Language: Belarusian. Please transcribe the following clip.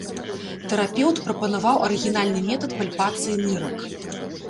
Тэрапеўт прапанаваў арыгінальны метад пальпацыі нырак.